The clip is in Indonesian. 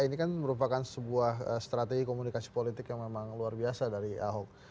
ini kan merupakan sebuah strategi komunikasi politik yang memang luar biasa dari ahok